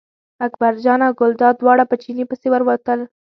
اکبرجان او ګلداد دواړه په چیني پسې ور ووتل.